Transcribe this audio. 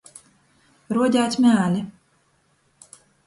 Ruodeit mēli.